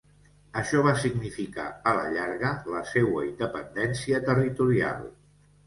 Això va significar, a la llarga, la seua independència territorial.